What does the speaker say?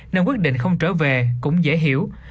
nên quyết định không trở về cũng dễ hiểu